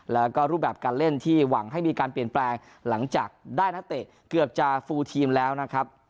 แล้วก็รูปแบบการเล่นที่หวังให้มีการเปลี่ยนแปลงหลังจากได้นักเตะเกือบจะฟูลทีมแล้วนะครับ